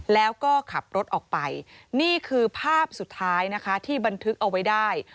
แล้วก็ขับรถออกไปนี่คือภาพสุดท้ายนะคะที่บันทึกเอาไว้ได้